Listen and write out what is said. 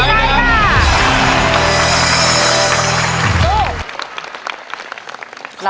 ไม่ใช้